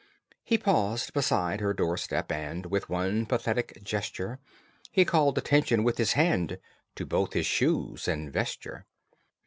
He paused beside her door step, and, With one pathetic gesture, He called attention with his hand To both his shoes and vesture.